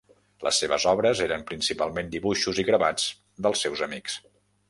Les seves obres eren principalment dibuixos i gravats dels seus amics.